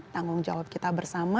tanggung jawab kita bersama